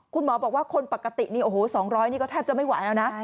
คุณหมอบอกว่าคนปกตินี่โอ้โห๒๐๐นี่ก็แทบจะไม่ไหวแล้วนะ